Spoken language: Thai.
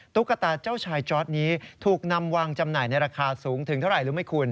ตุ๊กตาเจ้าชายจอร์ดนี้ถูกนำวางจำหน่ายในราคาสูงถึงเท่าไหร่รู้ไหมคุณ